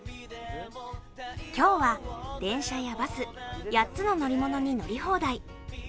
今日は電車やバス、８つの乗り物に乗り放題。